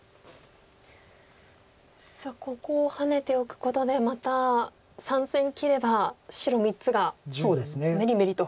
さあここをハネておくことでまた３線切れば白３つがメリメリと。